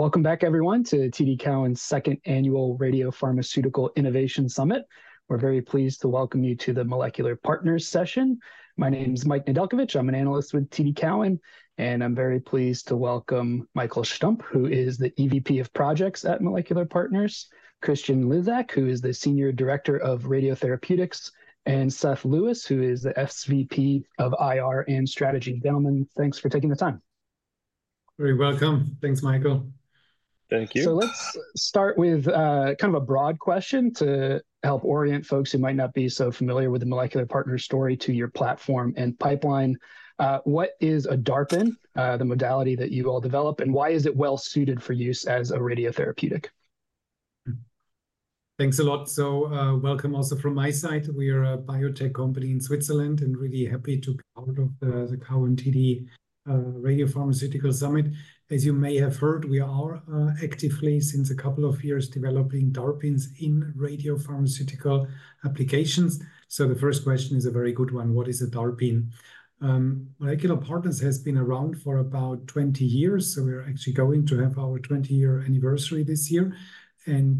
Welcome back, everyone, to TD Cowen's second annual Radiopharmaceutical Innovation Summit. We're very pleased to welcome you to the Molecular Partners session. My name's Mike Nedelcovich, I'm an analyst with TD Cowen, and I'm very pleased to welcome Michael Stumpp, who is the EVP of Projects at Molecular Partners, Christian Lizak, who is the Senior Director of Radiotherapeutics, and Seth Lewis, who is the SVP of IR and Strategy. Gentlemen, thanks for taking the time. Very welcome. Thanks, Michael. Thank you. So let's start with kind of a broad question to help orient folks who might not be so familiar with the Molecular Partners' story to your platform and pipeline. What is a DARPin, the modality that you all develop, and why is it well-suited for use as a radiotherapeutic? Thanks a lot. So, welcome also from my side. We are a biotech company in Switzerland, and really happy to be part of the TD Cowen Radiopharmaceutical Summit. As you may have heard, we are actively, since a couple of years, developing DARPins in radiopharmaceutical applications. So the first question is a very good one: What is a DARPin? Molecular Partners has been around for about 20 years, so we're actually going to have our 20-year anniversary this year. And,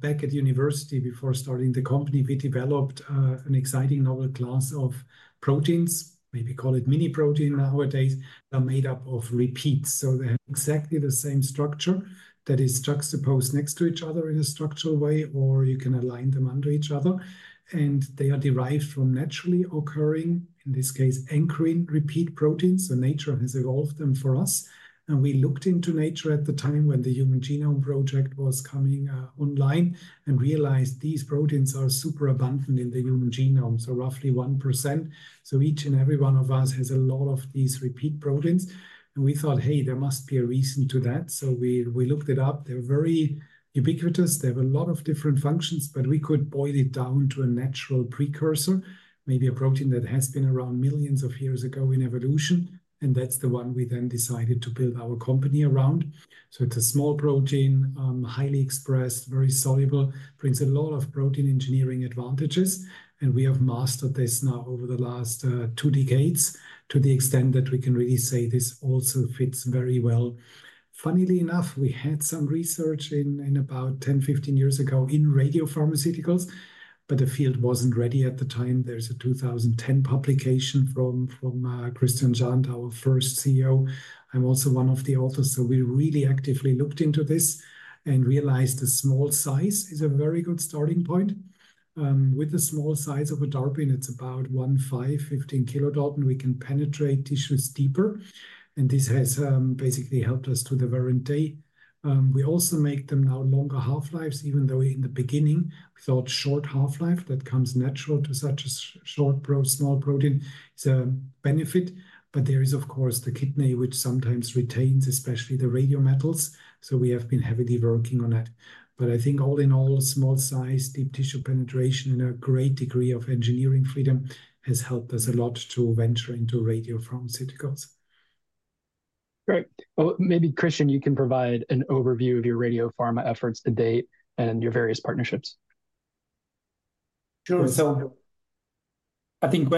back at university, before starting the company, we developed an exciting novel class of proteins, maybe call it mini protein nowadays, are made up of repeats. So they have exactly the same structure that is juxtaposed next to each other in a structural way, or you can align them under each other, and they are derived from naturally occurring, in this case, ankyrin repeat proteins, so nature has evolved them for us. And we looked into nature at the time when the Human Genome Project was coming online, and realized these proteins are super abundant in the human genome, so roughly 1%. So each and every one of us has a lot of these repeat proteins, and we thought, "Hey, there must be a reason to that." So we, we looked it up. They're very ubiquitous. They have a lot of different functions, but we could boil it down to a natural precursor, maybe a protein that has been around millions of years ago in evolution, and that's the one we then decided to build our company around. So it's a small protein, highly expressed, very soluble, brings a lot of protein engineering advantages, and we have mastered this now over the last, 2 decades, to the extent that we can really say this also fits very well. Funnily enough, we had some research in about 10, 15 years ago in radiopharmaceuticals, but the field wasn't ready at the time. There's a 2010 publication from Christian Zahnd, our first CEO. I'm also one of the authors. So we really actively looked into this and realized the small size is a very good starting point. With the small size of a DARPin, it's about 15 kilodalton, we can penetrate tissues deeper, and this has basically helped us to the very day. We also make them now longer half-lives, even though in the beginning, we thought short half-life that comes natural to such a small protein is a benefit. But there is, of course, the kidney, which sometimes retains, especially the radiometals, so we have been heavily working on that. But I think all in all, small size, deep tissue penetration, and a great degree of engineering freedom has helped us a lot to venture into radiopharmaceuticals. Great. Well, maybe, Christian, you can provide an overview of your radiopharma efforts to date and your various partnerships. Sure. So I think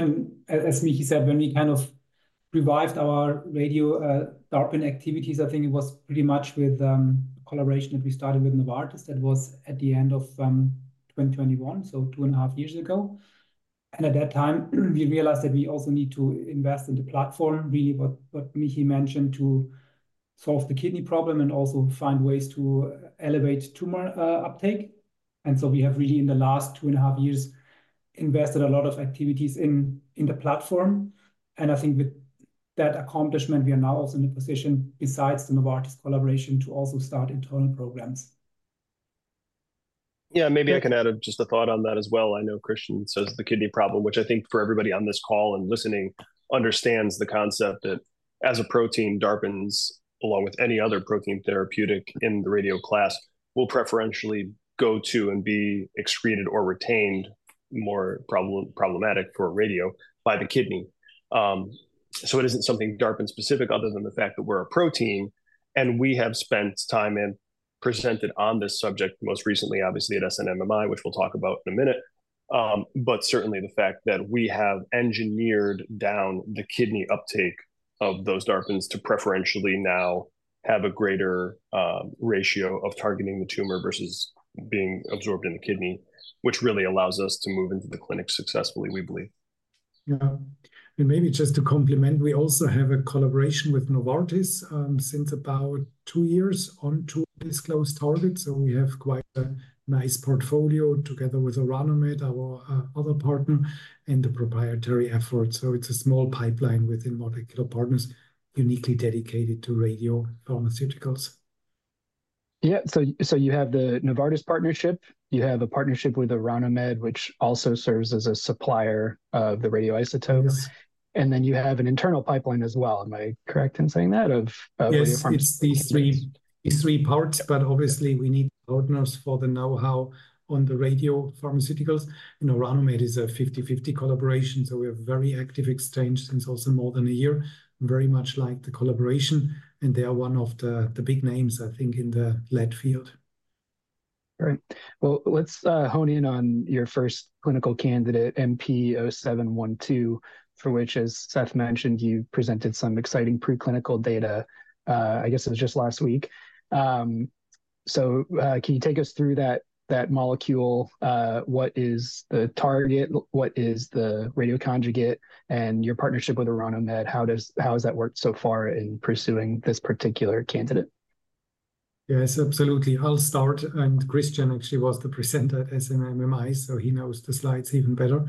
as Mihi said, when we kind of revived our radio DARPin activities, I think it was pretty much with collaboration that we started with Novartis. That was at the end of 2021, so two and a half years ago. And at that time, we realized that we also need to invest in the platform, really what Mihi mentioned, to solve the kidney problem and also find ways to elevate tumor uptake. And so we have really, in the last two and a half years, invested a lot of activities in the platform, and I think with that accomplishment, we are now also in a position, besides the Novartis collaboration, to also start internal programs. Yeah, maybe I can add just a thought on that as well. I know Christian says the kidney problem, which I think for everybody on this call and listening, understands the concept that as a protein, DARPins, along with any other protein therapeutic in the radio class, will preferentially go to and be excreted or retained, more problematic for radio, by the kidney. So it isn't something DARPin specific other than the fact that we're a protein, and we have spent time and presented on this subject, most recently, obviously, at SNMMI, which we'll talk about in a minute. But certainly the fact that we have engineered down the kidney uptake of those DARPins to preferentially now have a greater ratio of targeting the tumor versus being absorbed in the kidney, which really allows us to move into the clinic successfully, we believe. Yeah. And maybe just to complement, we also have a collaboration with Novartis, since about 2 years on 2 undisclosed targets, so we have quite a nice portfolio together with Orano Med, our, other partner, and the proprietary effort. So it's a small pipeline within Molecular Partners, uniquely dedicated to radiopharmaceuticals. Yeah, so you have the Novartis partnership, you have a partnership with Orano Med, which also serves as a supplier of the radioisotopes. Yeah. You have an internal pipeline as well. Am I correct in saying that of radiopharmaceuticals? Yes, it's these three, these three parts, but obviously, we need partners for the know-how on the radiopharmaceuticals. And Orano Med is a 50/50 collaboration, so we have very active exchange since also more than a year. Very much like the collaboration, and they are one of the, the big names, I think, in the lead field. Great. Well, let's hone in on your first clinical candidate, MP0712, for which, as Seth mentioned, you presented some exciting preclinical data, I guess it was just last week. So, can you take us through that molecule? What is the target? What is the radioconjugate? And your partnership with Orano Med, how does- how has that worked so far in pursuing this particular candidate? Yes, absolutely. I'll start, and Christian actually was the presenter at SNMMI, so he knows the slides even better.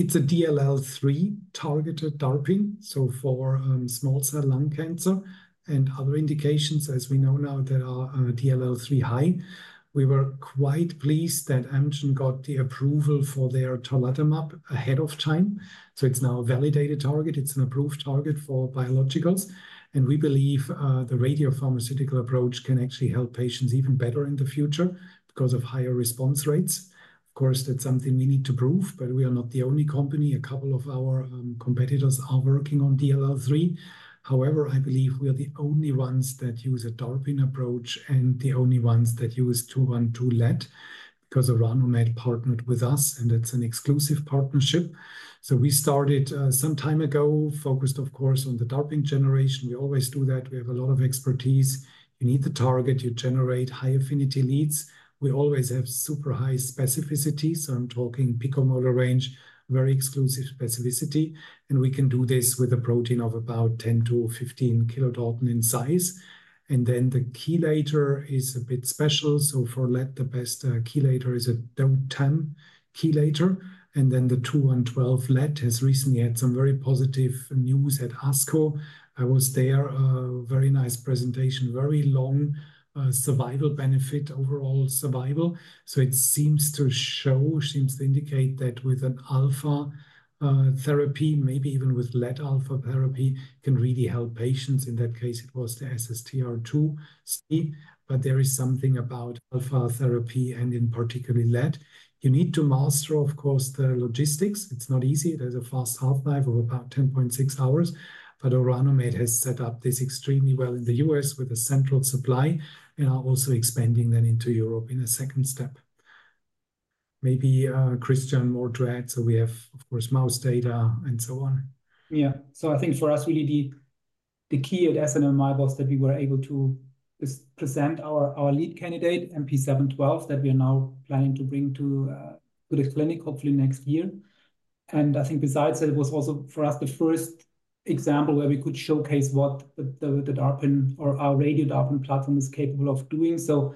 It's a DLL3-targeted DARPin, so for small cell lung cancer and other indications, as we know now, that are DLL3 high. We were quite pleased that Amgen got the approval for their tarlatamab ahead of time, so it's now a validated target. It's an approved target for biologicals, and we believe the radiopharmaceutical approach can actually help patients even better in the future because of higher response rates. Of course, that's something we need to prove, but we are not the only company. A couple of our competitors are working on DLL3. However, I believe we are the only ones that use a DARPin approach, and the only ones that use lead-212, because Orano Med partnered with us, and that's an exclusive partnership. So we started some time ago, focused, of course, on the DARPin generation. We always do that. We have a lot of expertise. You need the target, you generate high-affinity leads. We always have super high specificity, so I'm talking picomolar range, very exclusive specificity, and we can do this with a protein of about 10-15 kilodalton in size. And then the chelator is a bit special, so for lead, the best chelator is a DOTAM chelator. And then the 212-lead has recently had some very positive news at ASCO. I was there, very nice presentation, very long survival benefit, overall survival. So it seems to show, seems to indicate that with an alpha therapy, maybe even with lead-alpha therapy, can really help patients. In that case, it was the SSTR2 space, but there is something about alpha therapy, and in particular, lead. You need to master, of course, the logistics. It's not easy. There's a fast half-life of about 10.6 hours, but Orano Med has set up this extremely well in the US with a central supply and are also expanding that into Europe in a second step. Maybe, Christian, more to add, so we have, of course, mouse data and so on. Yeah. So I think for us, really, the key at SNMMI was that we were able to present our lead candidate, MP0712, that we are now planning to bring to the clinic, hopefully next year. And I think besides that, it was also, for us, the first example where we could showcase what the DARPin or our radio DARPin platform is capable of doing. So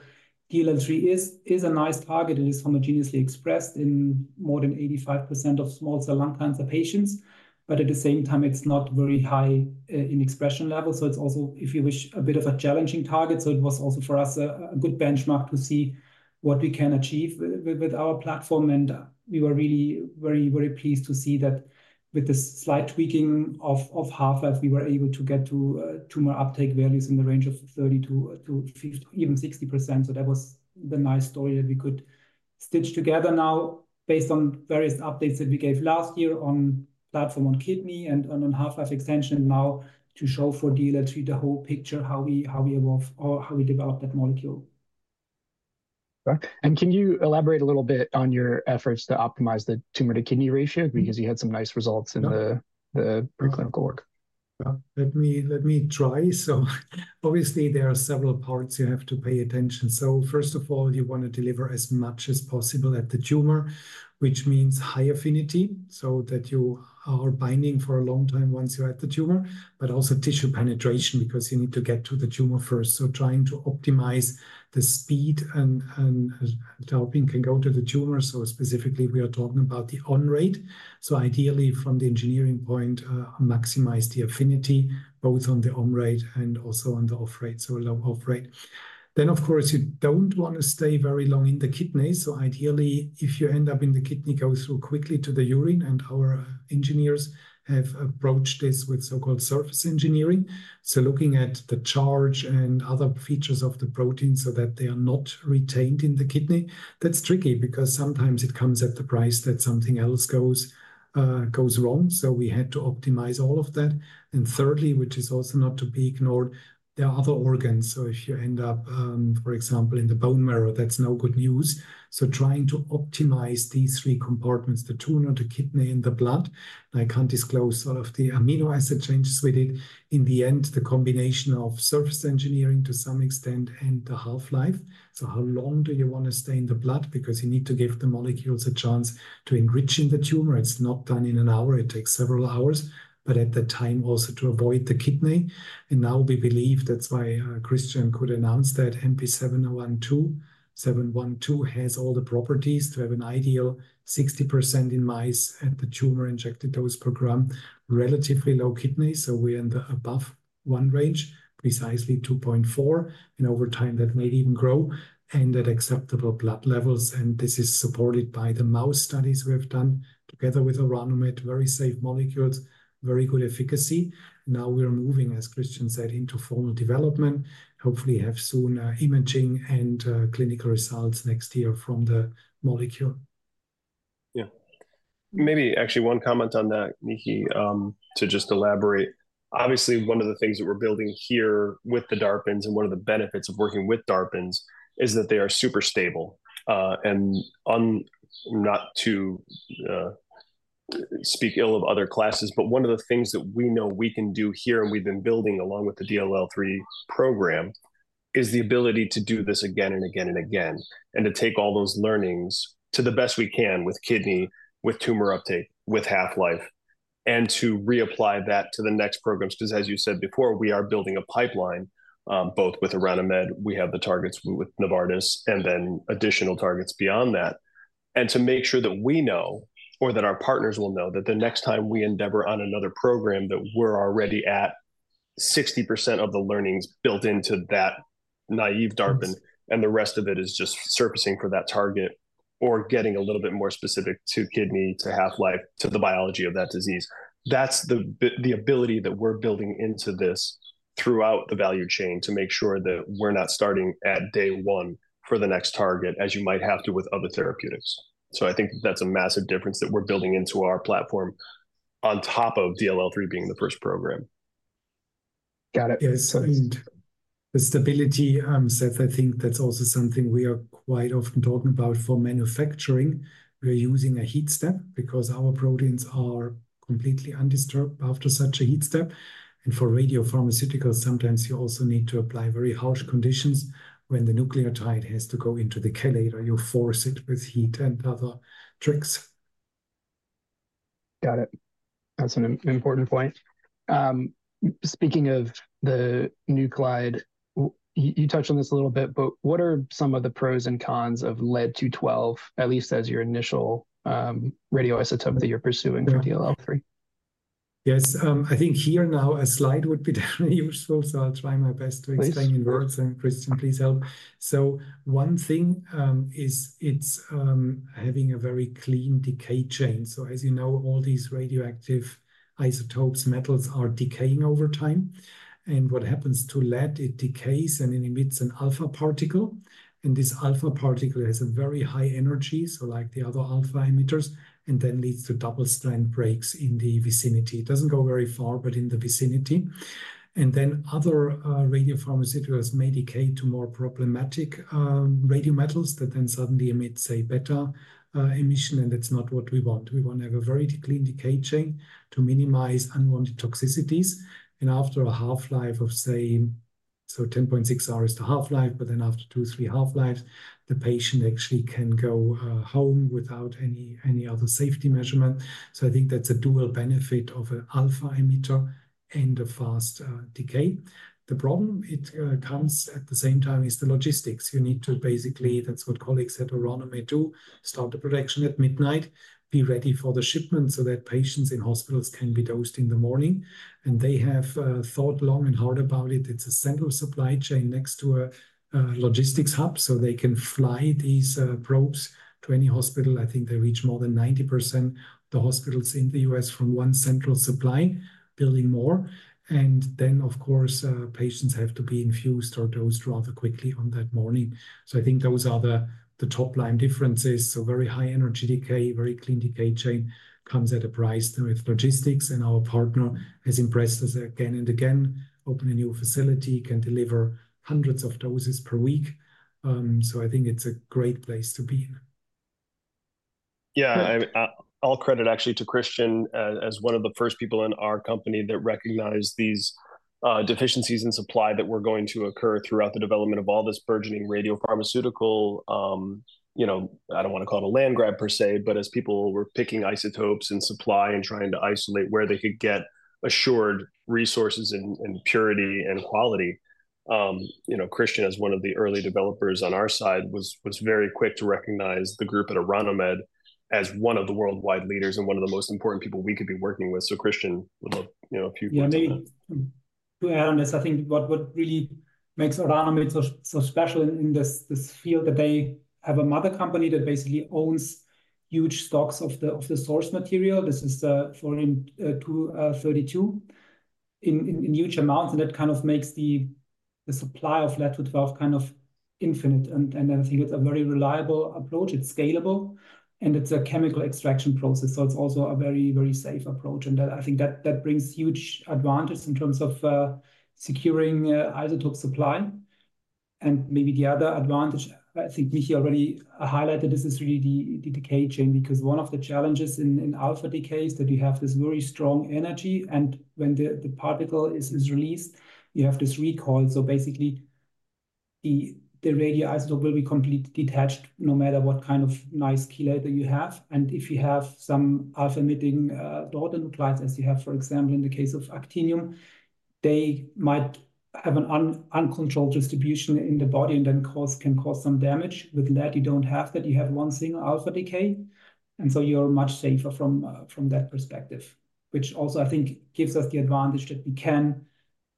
DLL3 is a nice target. It is homogeneously expressed in more than 85% of small cell lung cancer patients, but at the same time, it's not very high in expression level, so it's also, if you wish, a bit of a challenging target. So it was also, for us, a good benchmark to see what we can achieve with our platform. We were really very, very pleased to see that with the slight tweaking of half-life, we were able to get to tumor uptake values in the range of 30%-50%, even 60%. So that was the nice story that we could stitch together now based on various updates that we gave last year on platform, on kidney, and on half-life extension, and now to show for DLL3 the whole picture, how we evolve or how we develop that molecule. Right. Can you elaborate a little bit on your efforts to optimize the tumor-to-kidney ratio? Because you had some nice results in the preclinical work. Yeah. Let me try. So obviously, there are several parts you have to pay attention. So first of all, you wanna deliver as much as possible at the tumor, which means high affinity, so that you are binding for a long time once you're at the tumor, but also tissue penetration because you need to get to the tumor first. So trying to optimize the speed and the DARPin can go to the tumor, so specifically, we are talking about the on-rate. So ideally, from the engineering point, maximize the affinity, both on the on-rate and also on the off-rate, so a low off-rate. Then, of course, you don't wanna stay very long in the kidney, so ideally, if you end up in the kidney, go through quickly to the urine, and our engineers have approached this with so-called surface engineering. So looking at the charge and other features of the protein so that they are not retained in the kidney. That's tricky because sometimes it comes at the price that something else goes wrong, so we had to optimize all of that. And thirdly, which is also not to be ignored, there are other organs. So if you end up, for example, in the bone marrow, that's no good news. So trying to optimize these three compartments, the tumor, the kidney, and the blood, and I can't disclose all of the amino acid changes we did. In the end, the combination of surface engineering to some extent, and the half-life. So how long do you wanna stay in the blood? Because you need to give the molecules a chance to enrich in the tumor. It's not done in an hour, it takes several hours, but at that time, also to avoid the kidney. Now we believe that's why Christian could announce that MP0712, 712 has all the properties to have an ideal 60% in mice at the tumor-injected dose per gram, relatively low kidney, so we end above one range, precisely 2.4, and over time, that may even grow, and at acceptable blood levels. This is supported by the mouse studies we have done together with Orano Med, very safe molecules, very good efficacy. Now we are moving, as Christian said, into formal development. Hopefully, have soon, imaging and clinical results next year from the molecule. Yeah. Maybe actually one comment on that, Mihi, to just elaborate. Obviously, one of the things that we're building here with the DARPins, and one of the benefits of working with DARPins, is that they are super stable. And not to speak ill of other classes, but one of the things that we know we can do here, and we've been building along with the DLL3 program, is the ability to do this again and again and again, and to take all those learnings to the best we can with kidney, with tumor uptake, with half-life, and to reapply that to the next program. Because as you said before, we are building a pipeline, both with Orano Med, we have the targets with Novartis, and then additional targets beyond that. To make sure that we know or that our partners will know that the next time we endeavor on another program, that we're already at 60% of the learnings built into that naive DARPin, and the rest of it is just surfacing for that target or getting a little bit more specific to kidney, to half-life, to the biology of that disease. That's the ability that we're building into this throughout the value chain to make sure that we're not starting at day one for the next target, as you might have to with other therapeutics. So I think that's a massive difference that we're building into our platform on top of DLL3 being the first program. Got it. Yes, and the stability, Seth, I think that's also something we are quite often talking about for manufacturing. We are using a heat step because our proteins are completely undisturbed after such a heat step. And for radiopharmaceuticals, sometimes you also need to apply very harsh conditions when the nucleotide has to go into the chelator, you force it with heat and other tricks. Got it. That's an important point. Speaking of the nuclide, you touched on this a little bit, but what are some of the pros and cons of lead-212, at least as your initial radioisotope that you're pursuing for DLL3? Yes, I think here now a slide would be definitely useful, so I'll try my best to explain in words, and Christian, please help. So one thing is it's having a very clean decay chain. So as you know, all these radioactive isotopes, metals are decaying over time. And what happens to lead, it decays, and it emits an alpha particle, and this alpha particle has a very high energy, so like the other alpha emitters, and then leads to double-strand breaks in the vicinity. It doesn't go very far, but in the vicinity. And then other radiopharmaceuticals may decay to more problematic radio metals that then suddenly emit, say, beta emission, and that's not what we want. We want to have a very clean decay chain to minimize unwanted toxicities. And after a half-life of, say so 10.6 hours is the half-life, but then after 2, 3 half-lives, the patient actually can go home without any other safety measurement. So I think that's a dual benefit of an alpha emitter and a fast decay. The problem it comes at the same time is the logistics. You need to basically, that's what colleagues at Orano Med do, start the production at midnight, be ready for the shipment so that patients in hospitals can be dosed in the morning. And they have thought long and hard about it. It's a central supply chain next to a logistics hub, so they can fly these probes to any hospital. I think they reach more than 90% the hospitals in the US from one central supply, building more. And then, of course, patients have to be infused or dosed rather quickly on that morning. So I think those are the, the top-line differences. So very high energy decay, very clean decay chain, comes at a price with logistics, and our partner has impressed us again and again. Open a new facility, can deliver hundreds of doses per week, so I think it's a great place to be in. Yeah, I all credit, actually, to Christian, as one of the first people in our company that recognized these deficiencies in supply that were going to occur throughout the development of all this burgeoning radiopharmaceutical. You know, I don't want to call it a land grab per se, but as people were picking isotopes and supply and trying to isolate where they could get assured resources and purity and quality, you know, Christian, as one of the early developers on our side, was very quick to recognize the group at Orano Med as one of the worldwide leaders and one of the most important people we could be working with. So Christian, would love, you know, if you'd want to. Yeah, maybe to add on this, I think what really makes Orano Med so special in this field, that they have a mother company that basically owns huge stocks of the source material. This is thorium-232 in huge amounts, and it kind of makes the supply of lead-212 kind of infinite. And I think it's a very reliable approach, it's scalable, and it's a chemical extraction process, so it's also a very safe approach. And I think that brings huge advantage in terms of securing isotope supply. And maybe the other advantage, I think Mihi already highlighted, this is really the decay chain, because one of the challenges in alpha decay is that you have this very strong energy, and when the particle is released, you have this recoil. So basically, the radioisotope will be completely detached no matter what kind of nice chelator you have. And if you have some alpha-emitting daughter nuclides, as you have, for example, in the case of actinium, they might have an uncontrolled distribution in the body and then can cause some damage. With lead, you don't have that, you have one single alpha decay, and so you're much safer from that perspective, which also, I think, gives us the advantage that we can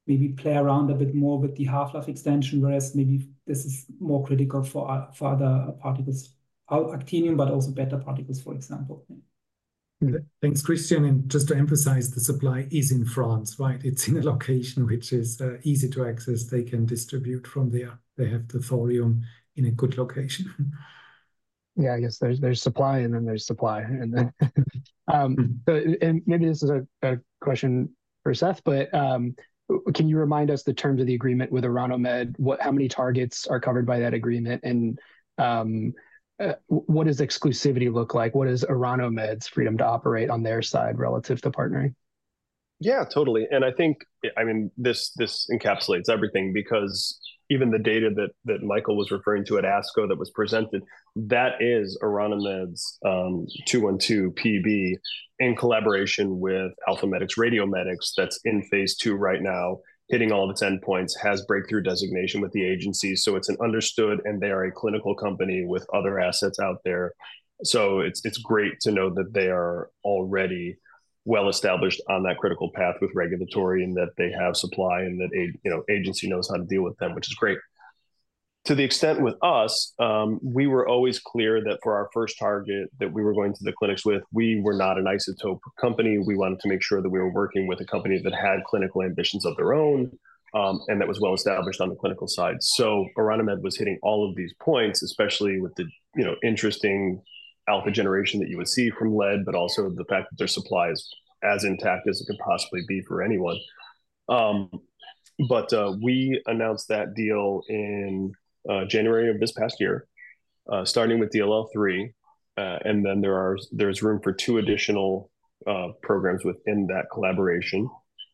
maybe play around a bit more with the half-life extension, whereas maybe this is more critical for other particles, actinium, but also beta particles, for example. Thanks, Christian. Just to emphasize, the supply is in France, right? It's in a location which is easy to access. They can distribute from there. They have the thorium in a good location. Yeah, I guess there's supply, and then there's supply, and then, but and maybe this is a question for Seth, but, can you remind us the terms of the agreement with Orano Med? What—how many targets are covered by that agreement, and, what does exclusivity look like? What is Orano Med's freedom to operate on their side relative to partnering? Yeah, totally. And I think, I mean, this encapsulates everything because even the data that Michael was referring to at ASCO that was presented, that is Orano Med's 212 Pb, in collaboration with RadioMedix, that's in phase two right now, hitting all of its endpoints, has breakthrough designation with the agency. So it's an understood, and they are a clinical company with other assets out there. So it's great to know that they are already well-established on that critical path with regulatory, and that they have supply, and that a, you know, agency knows how to deal with them, which is great. To the extent with us, we were always clear that for our first target that we were going to the clinics with, we were not an isotope company. We wanted to make sure that we were working with a company that had clinical ambitions of their own, and that was well-established on the clinical side. So Orano Med was hitting all of these points, especially with the, you know, interesting alpha generation that you would see from lead, but also the fact that their supply is as intact as it could possibly be for anyone. But we announced that deal in January of this past year, starting with DLL3. And then there's room for two additional programs within that collaboration.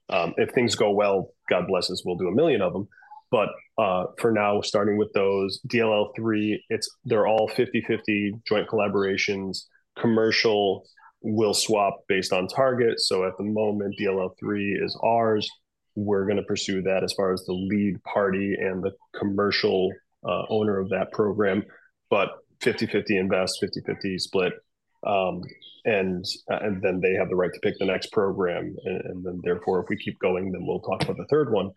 If things go well, God bless us, we'll do a million of them. But for now, starting with those DLL3, they're all 50/50 joint collaborations. Commercial will swap based on target, so at the moment, DLL3 is ours. We're gonna pursue that as far as the lead party and the commercial owner of that program, but 50/50 invest, 50/50 split. And then they have the right to pick the next program, and then, therefore, if we keep going, then we'll talk about the third one.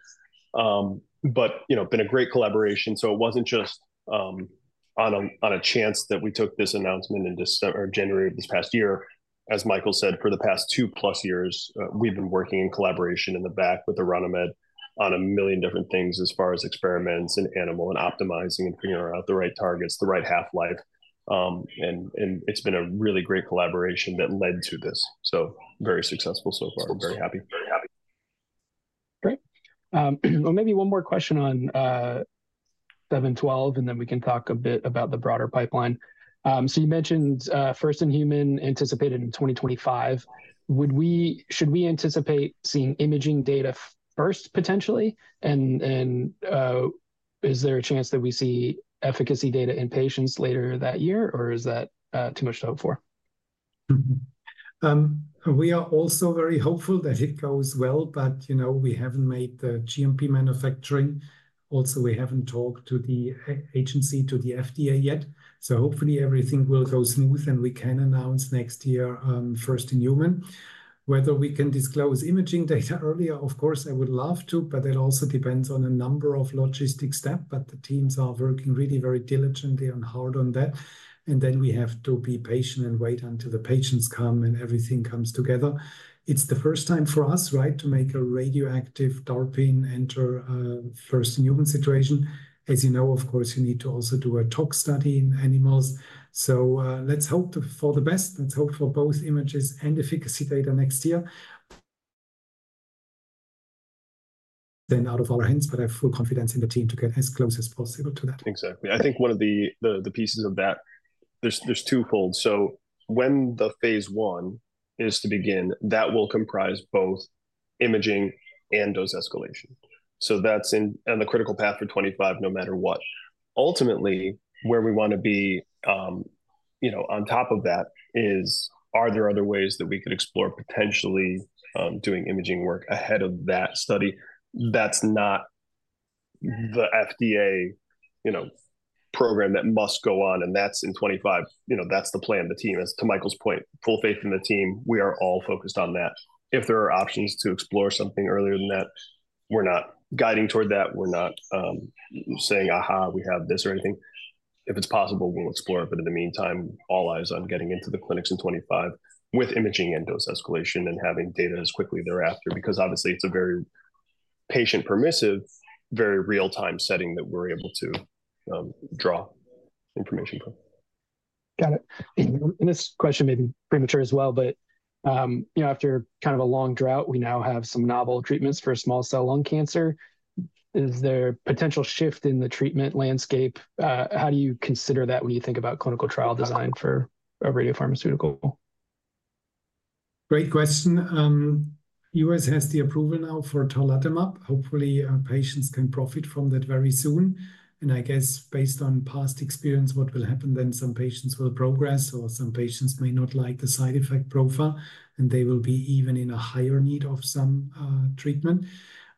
But you know, been a great collaboration, so it wasn't just on a chance that we took this announcement in December or January of this past year. As Michael said, for the past 2+ years, we've been working in collaboration in the back with Orano Med on a million different things as far as experiments and animal, and optimizing, and figuring out the right targets, the right half-life. And it's been a really great collaboration that led to this, so very successful so far. Very happy, very happy. Great. Well, maybe one more question on seven twelve, and then we can talk a bit about the broader pipeline. So you mentioned first in human, anticipated in 2025. Would we—should we anticipate seeing imaging data first, potentially? And, is there a chance that we see efficacy data in patients later that year, or is that too much to hope for? Mm-hmm. We are also very hopeful that it goes well, but, you know, we haven't made the GMP manufacturing. Also, we haven't talked to the agency, to the FDA yet. So hopefully, everything will go smooth, and we can announce next year, first in human. Whether we can disclose imaging data earlier, of course, I would love to, but it also depends on a number of logistics step. But the teams are working really very diligently and hard on that, and then we have to be patient and wait until the patients come, and everything comes together. It's the first time for us, right, to make a radioactive DARPIn enter a first-in-human situation. As you know, of course, you need to also do a tox study in animals. So, let's hope for the best. Let's hope for both images and efficacy data next year. Then out of our hands, but I have full confidence in the team to get as close as possible to that. Exactly. I think one of the pieces of that, there's twofold. So when the phase 1 is to begin, that will comprise both imaging and dose escalation. So that's in on the critical path for 25, no matter what. Ultimately, where we wanna be, you know, on top of that is, are there other ways that we could explore, potentially, doing imaging work ahead of that study? That's not the FDA, you know, program that must go on, and that's in 25. You know, that's the plan of the team. As to Michael's point, full faith in the team, we are all focused on that. If there are options to explore something earlier than that, we're not guiding toward that. We're not saying, "Aha, we have this," or anything. If it's possible, we'll explore it. But in the meantime, all eyes on getting into the clinics in 2025 with imaging and dose escalation and having data as quickly thereafter. Because obviously, it's a very patient-permissive, very real-time setting that we're able to draw information from. Got it. This question may be premature as well but, you know, after kind of a long drought, we now have some novel treatments for small cell lung cancer. Is there potential shift in the treatment landscape? How do you consider that when you think about clinical trial design for a radiopharmaceutical? Great question. U.S. has the approval now for tarlatamab. Hopefully, our patients can profit from that very soon. And I guess based on past experience, what will happen then, some patients will progress, or some patients may not like the side effect profile, and they will be even in a higher need of some treatment.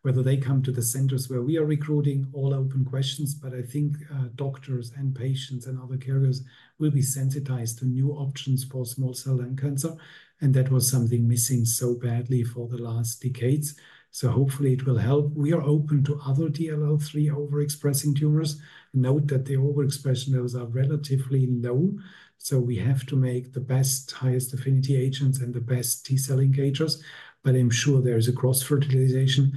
Whether they come to the centers where we are recruiting, all open questions, but I think doctors and patients and other caregivers will be sensitized to new options for small cell lung cancer, and that was something missing so badly for the last decades. So hopefully it will help. We are open to other DLL3 overexpressing tumors. Note that the overexpression levels are relatively low, so we have to make the best, highest affinity agents and the best T-cell engagers, but I'm sure there is a cross-fertilization.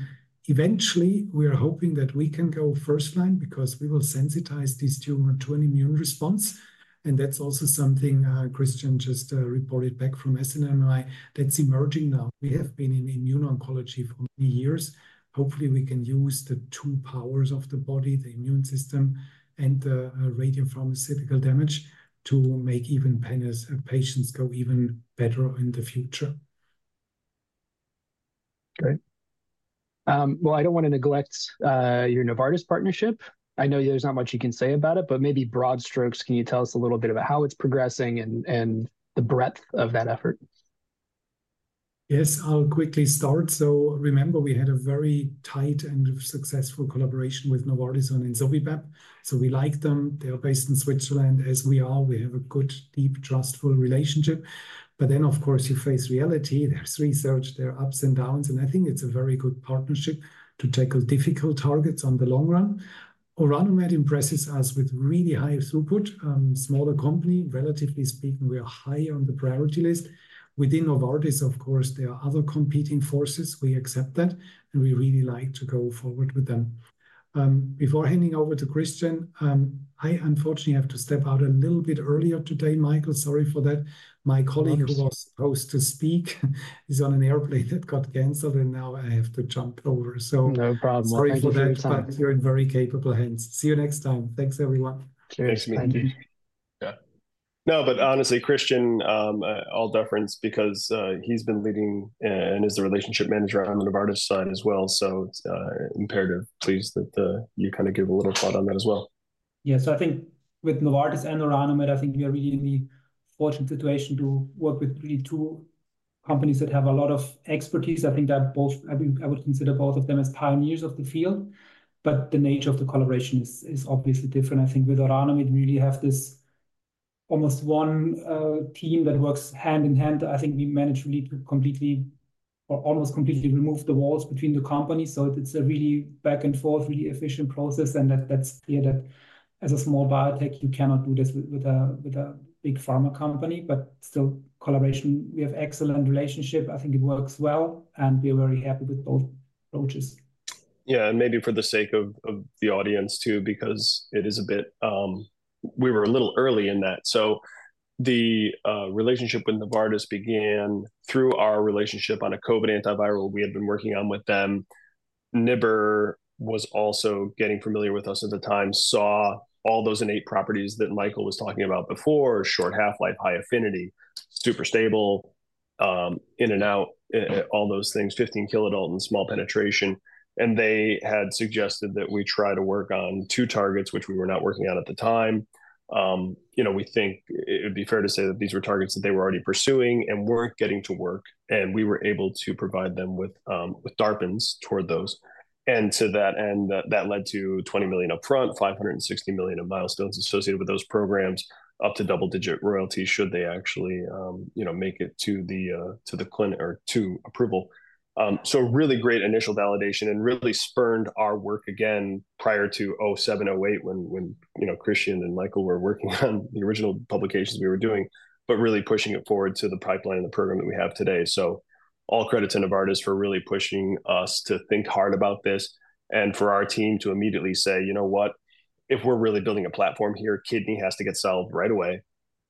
Eventually, we are hoping that we can go first line because we will sensitize this tumor to an immune response, and that's also something Christian just reported back from SNMMI that's emerging now. We have been in immune oncology for many years. Hopefully, we can use the two powers of the body, the immune system, and the radiopharmaceutical damage, to make even patients go even better in the future. Great. Well, I don't wanna neglect your Novartis partnership. I know there's not much you can say about it, but maybe broad strokes, can you tell us a little bit about how it's progressing and the breadth of that effort? Yes, I'll quickly start. So remember, we had a very tight and successful collaboration with Novartis on ensovibep. So we like them. They are based in Switzerland, as we are. We have a good, deep, trustful relationship. But then, of course, you face reality. There's research, there are ups and downs, and I think it's a very good partnership to tackle difficult targets on the long run. Orano Med impressed us with really high throughput. Smaller company, relatively speaking, we are high on the priority list. Within Novartis, of course, there are other competing forces. We accept that, and we really like to go forward with them. Before handing over to Christian, I unfortunately have to step out a little bit earlier today, Michael. Sorry for that. No worries. My colleague who was supposed to speak is on an airplane that got canceled, and now I have to jump over. So- No problem. Sorry for that- Thank you for your time. But you're in very capable hands. See you next time. Thanks, everyone. Cheers. Thanks, Michael. Yeah. No, but honestly, Christian, all deference because, he's been leading and is the relationship manager on the Novartis side as well, so it's imperative, please, that you kinda give a little thought on that as well. Yeah. So I think with Novartis and Orano Med, I think we are really in the fortunate situation to work with really two companies that have a lot of expertise. I think that both—I think I would consider both of them as pioneers of the field, but the nature of the collaboration is, is obviously different. I think with Orano Med, we really have this almost one team that works hand in hand. I think we managed really to completely, or almost completely remove the walls between the companies, so it's a really back and forth, really efficient process, and that, that's, yeah, that as a small biotech, you cannot do this with, with a, with a big pharma company, but still collaboration. We have excellent relationship. I think it works well, and we're very happy with both approaches. Yeah, and maybe for the sake of the audience, too, because it is a bit. We were a little early in that. So the relationship with Novartis began through our relationship on a COVID antiviral we had been working on with them. NIBR was also getting familiar with us at the time, saw all those innate properties that Michael was talking about before: short half-life, high affinity, super stable, in and out, all those things, 15 kDa and small penetration. And they had suggested that we try to work on two targets, which we were not working on at the time. You know, we think it would be fair to say that these were targets that they were already pursuing and weren't getting to work, and we were able to provide them with DARPins toward those. To that end, that led to $20 million upfront, $560 million of milestones associated with those programs, up to double-digit royalties, should they actually, you know, make it to approval. So really great initial validation and really spurned our work again prior to 2007, 2008, when, you know, Christian and Michael were working on the original publications we were doing, but really pushing it forward to the pipeline and the program that we have today. So all credit to Novartis for really pushing us to think hard about this and for our team to immediately say, "You know what? If we're really building a platform here, kidney has to get solved right away.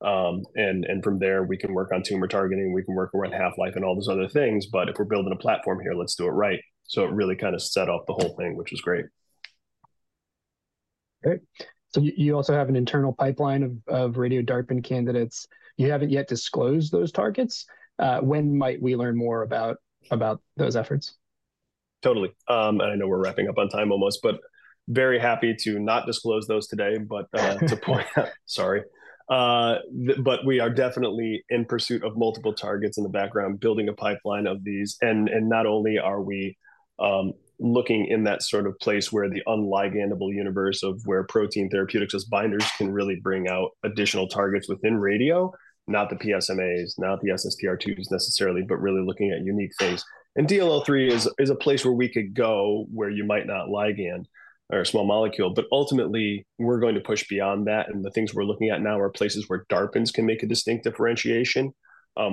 And from there, we can work on tumor targeting, we can work around half-life and all these other things, but if we're building a platform here, let's do it right. So it really kinda set off the whole thing, which was great. Great. So you also have an internal pipeline of radio DARPin candidates. You haven't yet disclosed those targets. When might we learn more about those efforts? Totally. And I know we're wrapping up on time almost, but very happy to not disclose those today, but to point out... but we are definitely in pursuit of multiple targets in the background, building a pipeline of these. And not only are we looking in that sort of place where the unligandable universe of where protein therapeutics as binders can really bring out additional targets within radio, not the PSMAs, not the SSTR2s necessarily, but really looking at unique things. And DLL3 is a place where we could go, where you might not ligand or a small molecule, but ultimately, we're going to push beyond that, and the things we're looking at now are places where DARPin can make a distinct differentiation,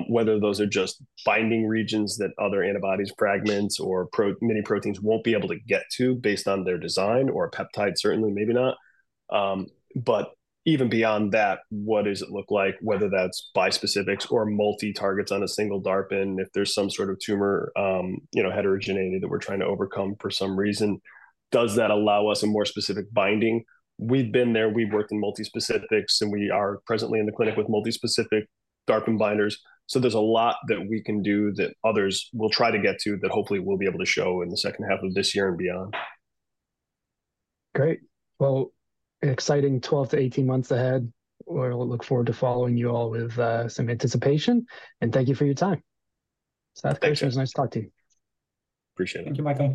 whether those are just binding regions that other antibodies, fragments, or mini-proteins won't be able to get to based on their design, or a peptide, certainly maybe not. But even beyond that, what does it look like, whether that's bispecifics or multi targets on a single DARPin, if there's some sort of tumor, you know, heterogeneity that we're trying to overcome for some reason, does that allow us a more specific binding? We've been there, we've worked in multi-specifics, and we are presently in the clinic with multi-specific DARPin binders. So there's a lot that we can do that others will try to get to, that hopefully we'll be able to show in the second half of this year and beyond. Great. Well, exciting 12-18 months ahead. Well, we look forward to following you all with some anticipation, and thank you for your time. Thank you. It was nice talking to you. Appreciate it. Thank you, Michael.